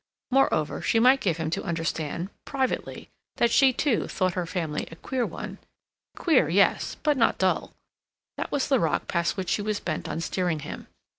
Moreover, she might give him to understand, privately, that she, too, thought her family a queer one—queer, yes, but not dull. That was the rock past which she was bent on steering him.